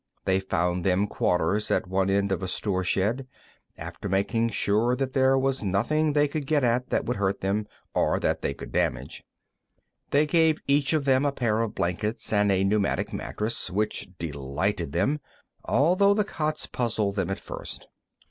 They found them quarters in one end of a store shed, after making sure that there was nothing they could get at that would hurt them or that they could damage. They gave each of them a pair of blankets and a pneumatic mattress, which delighted them, although the cots puzzled them at first.